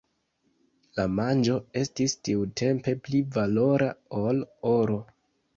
La manĝo estis tiutempe pli valora ol oro.